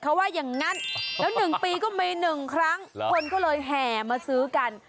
เขาว่าอย่างนั้นแล้ว๑ปีก็มี๑ครั้งคนก็เลยแห่มาซื้อกัน